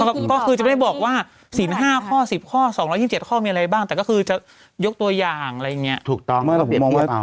ก็คือจะไม่ได้บอกว่าศีล๕ข้อ๑๐ข้อ๒๒๗ข้อมีอะไรบ้างแต่ก็คือจะยกตัวอย่างอะไรอย่างนี้ถูกต้อง